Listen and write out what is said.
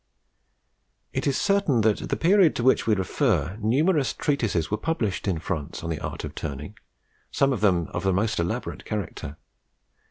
It is certain that at the period to which we refer numerous treatises were published in France on the art of turning, some of them of a most elaborate character.